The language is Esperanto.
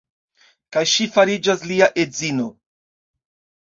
Kaj ŝi fariĝas lia edzino.